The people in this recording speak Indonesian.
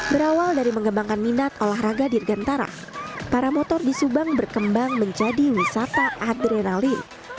berawal dari mengembangkan minat olahraga dirgantara para motor di subang berkembang menjadi wisata adrenalin